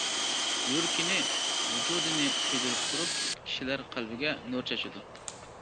يۈرىكىنى، ۋۇجۇدىنى كۆيدۈرۈپ تۇرۇپ، كىشىلەر قەلبىگە نۇر چاچىدۇ.